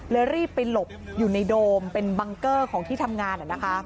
รีบไปหลบอยู่ในโดมเป็นบังเกอร์ของที่ทำงาน